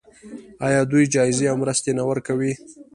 آیا دوی جایزې او مرستې نه ورکوي؟